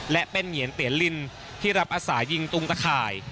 และเป็นเหงียนเตี๋ยลินที่รับอาสายิงตุงตะข่าย